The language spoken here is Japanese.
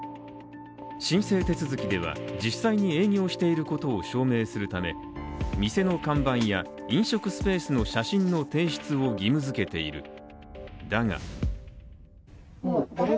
申請手続きでは、実際に営業していることを証明するため店の看板や飲食スペースの写真の提出を義務づけている。